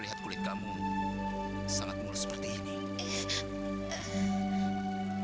lihat kulit kamu sangat murah seperti ini